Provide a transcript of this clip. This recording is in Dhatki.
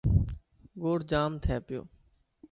گوڙ جام ٿي پيو.